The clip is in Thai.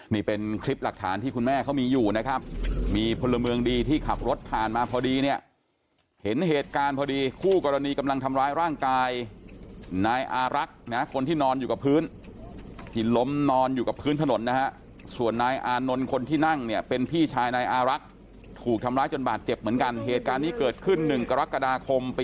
นี่เป็นคลิปหลักฐานที่คุณแม่เขามีอยู่นะครับมีพลเมืองดีที่ขับรถผ่านมาพอดีเนี่ยเห็นเหตุการณ์พอดีคู่กรณีกำลังทำร้ายร่างกายนายอารักษ์นะคนที่นอนอยู่กับพื้นที่ล้มนอนอยู่กับพื้นถนนนะฮะส่วนนายอานนท์คนที่นั่งเนี่ยเป็นพี่ชายนายอารักษ์ถูกทำร้ายจนบาดเจ็บเหมือนกันเหตุการณ์นี้เกิดขึ้น๑กรกฎาคมไป